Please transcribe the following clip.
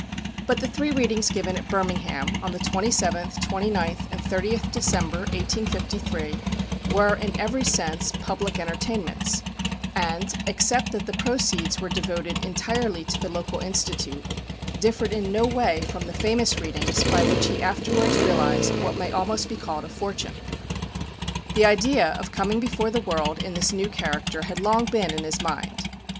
But the three readings given at Birmingham, on the 27th, 29th, and 30th December, 1853, were, in every sense, public entertainments, and, except that the proceeds were devoted entirely to the local Institute, differed in no way from the famous readings by which he afterwards realized what may almost be called a fortune. The idea of coming before the world in this new character had long been in his mind.